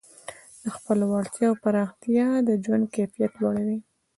د خپلو وړتیاوو پراختیا د ژوند کیفیت لوړوي.